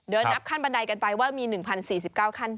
นับขั้นบันไดกันไปว่ามี๑๐๔๙ขั้น